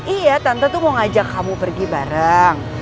iya tante tuh mau ngajak kamu pergi bareng